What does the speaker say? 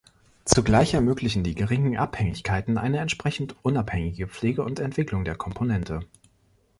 Zugleich ermöglichen die geringen Abhängigkeiten eine entsprechend unabhängige Pflege und Entwicklung der Komponente.